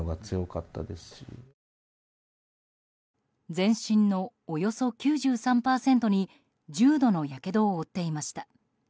全身のおよそ９３％に重度のやけどを負っていました。